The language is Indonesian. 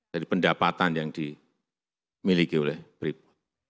dari pendapatan yang dimiliki oleh brimo